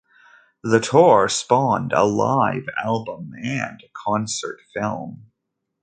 The tour spawned a live album and a concert film.